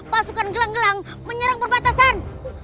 pasukan gelang gelang menyerang perbatasan